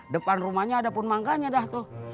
depan rumahnya ada pun mangganya dah tuh